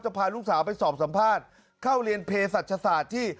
พาลูกสาวไปสอบสัมภาษณ์เข้าเรียนเพศรัชศาสตร์ที่